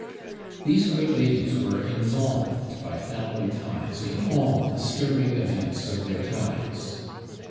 These great ladies were involved by family ties in all the stirring events of their times.